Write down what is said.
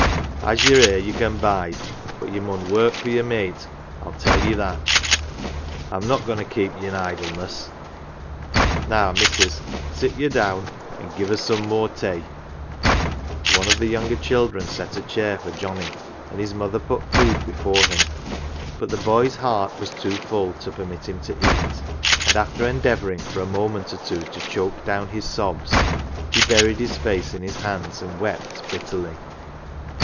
As ye're here ye can bide but ye mun work for yer mate I tell ye that. I'm not goin' to keep ye in idleness. Now, missus, sit ye down, an' give us some more tay." 66 CELEBRITIES One of the younger children set a chair for Johnnie and his mother put food before him, but the boy's heart was too full to permit him tp eat, and after endeavouring for a moment or two to choke down his sobs, he buried his face in his hands and wept bitterly.